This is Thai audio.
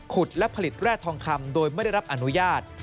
และผลิตแร่ทองคำโดยไม่ได้รับอนุญาต